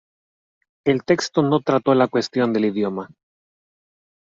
El texto no trató la cuestión del idioma.